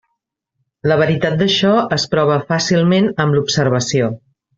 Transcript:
La veritat d'això es prova fàcilment amb l'observació.